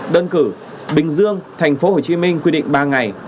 đơn cử bình dương tp hcm quy định ba ngày